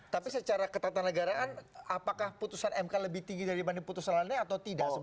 tapi secara ketatanegaraan apakah putusan mk lebih tinggi daripada putusan lainnya atau tidak